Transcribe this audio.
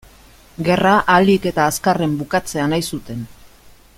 Gerra ahalik eta azkarren bukatzea nahi zuten.